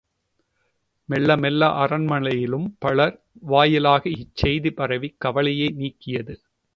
மெல்ல மெல்ல அரண்மனையிலும் பலர் வாயிலாக இச் செய்தி பரவிக் கவலையை நீக்கியது.